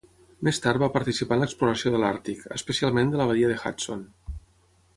Més tard va participar en l'exploració de l'àrtic, especialment de la badia de Hudson.